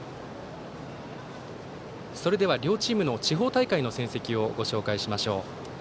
それでは両チームの地方大会の戦績をご紹介しましょう。